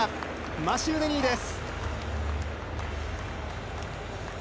マシュー・デニーです。